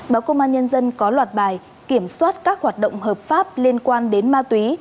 báo công an nhân dân có loạt bài kiểm soát các hoạt động hợp pháp liên quan đến ma túy